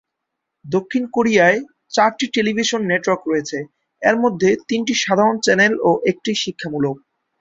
দক্ষিণ কোরিয়ায় চারটি টেলিভিশন নেটওয়ার্ক রয়েছে, এর মধ্যে তিনটি সাধারণ চ্যানেল ও একটি শিক্ষামূলক।